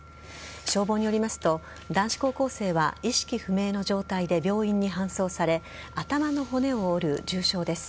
消防によりますと男子高校生は意識不明の状態で病院に搬送され頭の骨を折る重傷です。